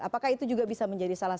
apakah itu juga bisa menjadi salah satu